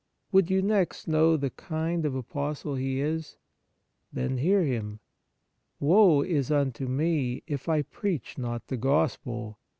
Would you next know the kind of Apostle he is ? Then hear him :" Woe is unto me if I preach not the Gospel.